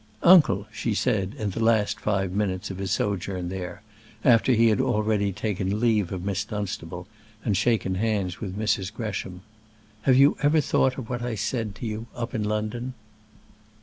"Uncle," she said, in the last five minutes of his sojourn there, after he had already taken leave of Miss Dunstable and shaken hands with Mrs. Gresham, "have you ever thought of what I said to you up in London?"